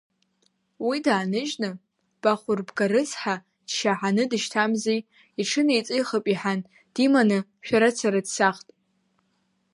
Уи дааныжьны, Бахәырбга рыцҳа дшьаҳаны дышьҭамзи, иҽынеиҵихып иҳан, диманы шәарацара дцахт.